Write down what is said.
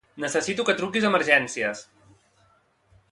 Necessito que truquis a Emergències.